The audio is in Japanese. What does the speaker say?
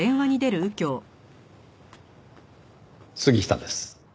杉下です。